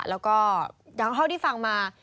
แล้วก็อย่างเท่าที่ฟังมา